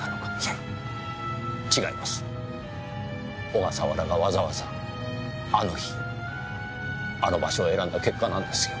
小笠原がわざわざあの日あの場所を選んだ結果なんですよ。